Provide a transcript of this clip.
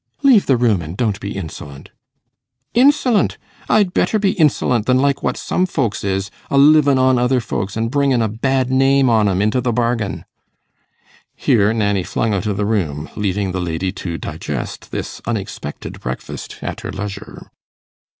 'Leave the room and don't be insolent.' 'Insolent! I'd better be insolent than like what some folks is, a livin' on other folks, an' bringin' a bad name on 'em into the bargain.' Here Nanny flung out of the room, leaving the lady to digest this unexpected breakfast at her leisure.